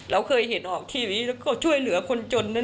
เราเคยเห็นออกทีวีแล้วเขาช่วยเหลือคนจนนะ